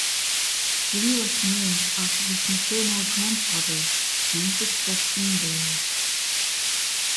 Lee was named after his maternal grandfather, Francis Preston Blair.